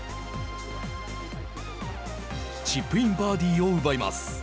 チップインバーディーを奪います。